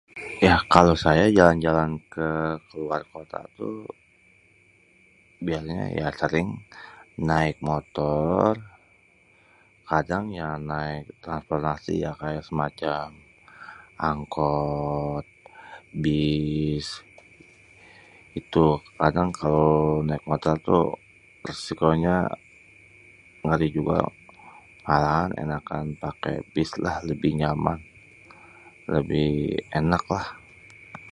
Ya kalo saya jalan-jalan keluar kota tuh biasanye ya sering naek motor kadang naek ya transportasi ya kaya semacem angkot, bis itu, kadang kalo naek motor tuh resikonye ngeri juga malaan enakan pake bis lah lebih nyaman, lebih enak lah